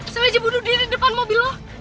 sengaja bunuh diri depan mobil loh